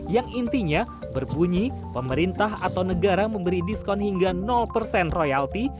yang intinya berbunyi pemerintah atau negara memberi diskon hingga persen royalti